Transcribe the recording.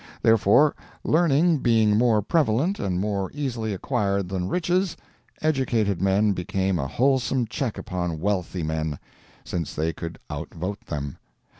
Therefore, learning being more prevalent and more easily acquired than riches, educated men became a wholesome check upon wealthy men, since they could outvote them.